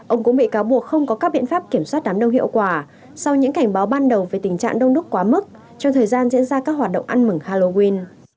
ông cũng bị cáo buộc không có các biện pháp kiểm soát đám đông hiệu quả sau những cảnh báo ban đầu về tình trạng đông đúc quá mức trong thời gian diễn ra các hoạt động ăn mừng halloween